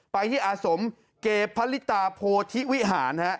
ไปที่อาทิตย์เกพลิตาโพทิวิหาร